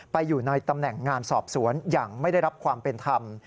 อยู่ในตำแหน่งงานสอบสวนอย่างไม่ได้รับความเป็นธรรม